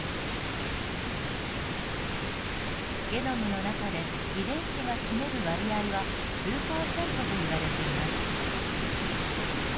ゲノムの中で遺伝子が占める割合は数％といわれています。